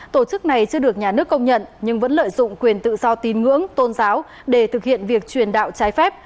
tổ chức này chưa được nhà nước công nhận nhưng vẫn lợi dụng quyền tự do tín ngưỡng tôn giáo để thực hiện việc truyền đạo trái phép